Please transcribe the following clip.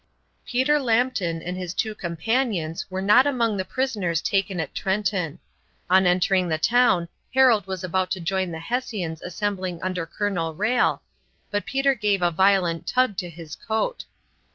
Peter Lambton and his two companions were not among the prisoners taken at Trenton. On entering the town Harold was about to join the Hessians assembling under Colonel Rhalle, but Peter gave a violent tug to his coat.